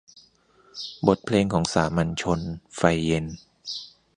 บทเพลงของสามัญชน - ไฟเย็น